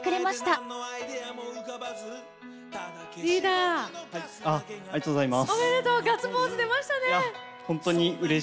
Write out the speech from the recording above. ・おめでとうございます！